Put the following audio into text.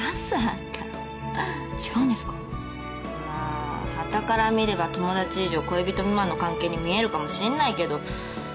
まあはたから見れば友達以上恋人未満の関係に見えるかもしんないけど。